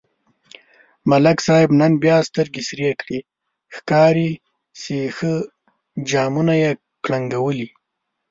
ملک صاحب نن بیا سترگې سرې کړي، ښکاري چې ښه جامونه یې کړنگولي.